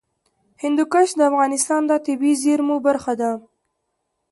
هندوکش د افغانستان د طبیعي زیرمو برخه ده.